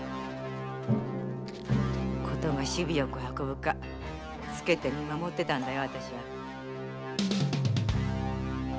ことが首尾よく運ぶか私はつけて見守ってたんだよ。